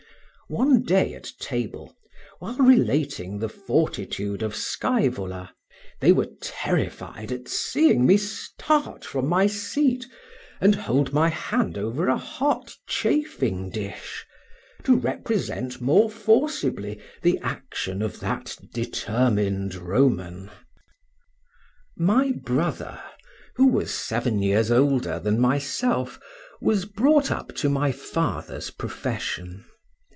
One day, at table, while relating the fortitude of Scoevola, they were terrified at seeing me start from my seat and hold my hand over a hot chafing dish, to represent more forcibly the action of that determined Roman. My brother, who was seven years older than myself, was brought up to my father's profession.